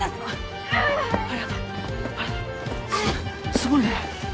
すごいね。